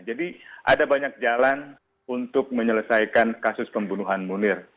jadi ada banyak jalan untuk menyelesaikan kasus pembunuhan munir